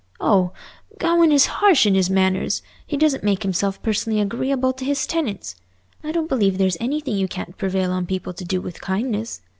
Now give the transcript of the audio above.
"Oh! Gawaine is harsh in his manners; he doesn't make himself personally agreeable to his tenants. I don't believe there's anything you can't prevail on people to do with kindness.